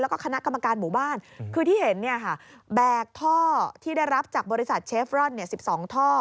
แล้วก็คณะกรรมการหมู่บ้านคือที่เห็นแบกท่อที่ได้รับจากบริษัทเชฟรอน๑๒ท่อ